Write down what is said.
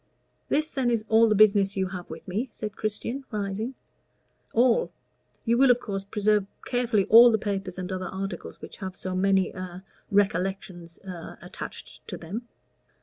"This, then, is all the business you have with me?" said Christian, rising. "All. You will, of course, preserve carefully all the papers and other articles which have so many a recollections a attached to them?"